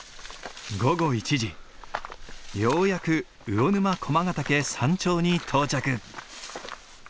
午後１時ようやく魚沼駒ヶ岳山頂に到着。